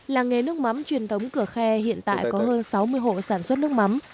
làng nghề nước mắm truyền thống cửa khe hiện tại có hơn sáu mươi hộ sản xuất nước mắm